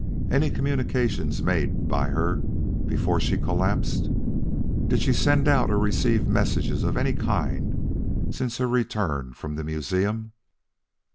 Any communications made by her before she collapsed? Did she send out or receive messages of any kind since her return from the museum?"